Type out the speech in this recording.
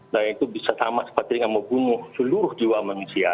nah itu bisa sama seperti dengan membunuh seluruh jiwa manusia